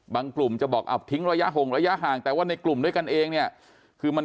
กลุ่มจะบอกเอาทิ้งระยะห่งระยะห่างแต่ว่าในกลุ่มด้วยกันเองเนี่ยคือมัน